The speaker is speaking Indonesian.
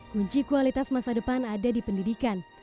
kunci kualitas masa depan ada di pendidikan